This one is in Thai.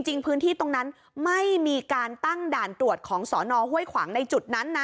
จริงพื้นที่ตรงนั้นไม่มีการตั้งด่านตรวจของสอนอห้วยขวางในจุดนั้นนะ